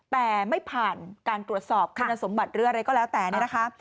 แต่ไม่ผ่านการตรวจสอบคุณสมบัติหรืออะไรก็แล้วแต่เนี่ยนะคะ